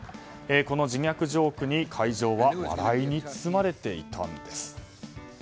この自虐ジョークに会場は笑いに包まれていたんです。